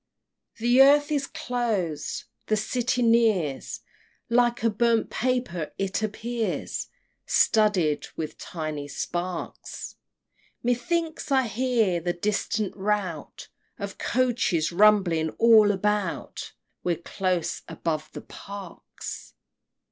The earth is close! the City nears Like a burnt paper it appears, Studded with tiny sparks! Methinks I hear the distant rout Of coaches rumbling all about We're close above the Parks!